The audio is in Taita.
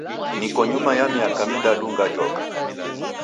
Niko nyuma ya miaka midadu ngajoka.